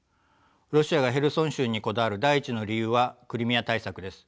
ロシアがヘルソン州にこだわる第一の理由はクリミア対策です。